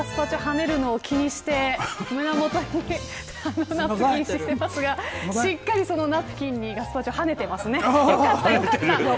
風間さんはこのガスパチョはねるのを気にして胸元にナプキンをしてますがしっかりそのナプキンにガスパチョはねてますね。